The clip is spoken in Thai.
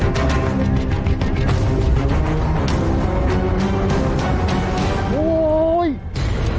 ออกมาครับ